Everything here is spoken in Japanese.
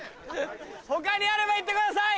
他にあれば行ってください！